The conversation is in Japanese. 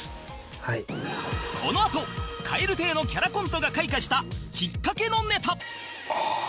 このあと蛙亭のキャラコントが開花したきっかけのネタああー！